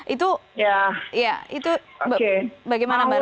itu bagaimana mbak retno